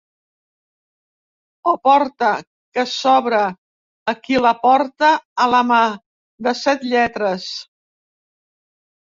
O Porta que s'obre a qui la porta a la mà, de set lletres.